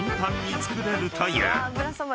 ［作れるという］